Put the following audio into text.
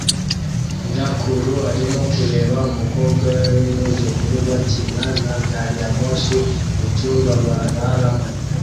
Nyirakuru arimo kureba umukobwa we n'umwuzukuru bakina na gari ya moshi mu cyumba bararamo